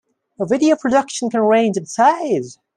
A video production can range in size.